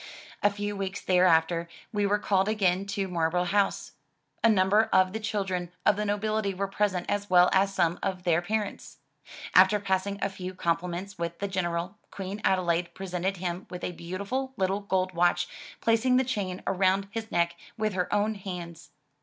A few weeks thereafter we were called again to Marlborough House. A number of the children of the nobility were present as well as some of their parents. After passing a few compliments with the General, Queen Adelaide presented him with a beautiful little gold watch, placing the chain around his neck with her own hands.